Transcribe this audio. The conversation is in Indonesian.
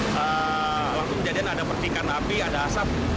lalu kejadian ada percikan api ada asap